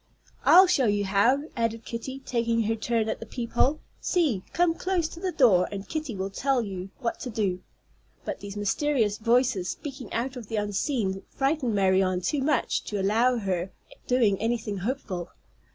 "I'll show you how," added Kitty, taking her turn at the peep hole. "See, come close to the door, and Kitty will tell you what to do." But these mysterious voices speaking out of the unseen frightened Marianne too much to allow of her doing anything helpful.